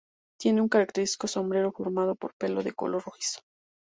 Tiene un característico sombrero formado por pelo de color rojizo.